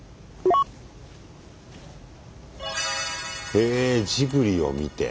へぇジブリを見て。